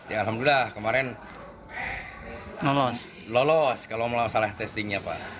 alhamdulillah kemarin lolos kalau malah salah testingnya pak